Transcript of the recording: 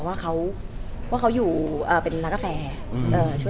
แต่เราทราบมาที่การงานเขาไหมคะ